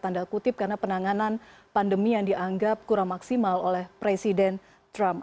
tanda kutip karena penanganan pandemi yang dianggap kurang maksimal oleh presiden trump